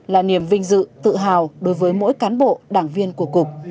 là niềm vinh dự tự hào đối với mỗi cán bộ đảng viên của cục